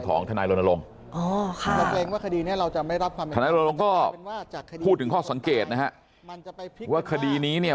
ของทนายโรนโลงก็พูดถึงข้อสังเกตนะฮะว่าคดีนี้เนี่ย